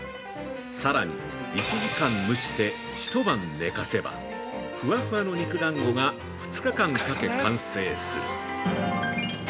◆さらに１時間蒸して一晩寝かせばふわふわの肉団子が２日間かけ完成する。